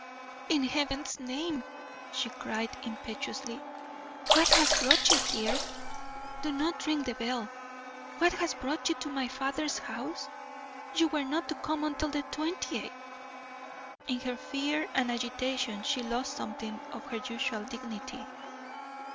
"In Heaven's name," she cried, impetuously, "what has brought you here? Do not ring the bell! What has brought you to my father's house? You were not to come until the twentieth." In her fear and agitation she lost something of her usual dignity.